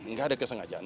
enggak ada kesengajaan